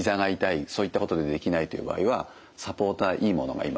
そういったことでできないという場合はサポーターいいものが今はあります。